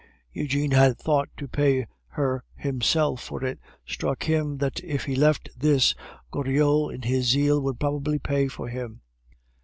Eugene had thought to pay her himself, for it struck him that if he left this, Goriot in his zeal would probably pay for him.